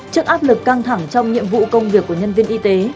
trước áp lực căng thẳng trong nhiệm vụ công việc của nhân viên y tế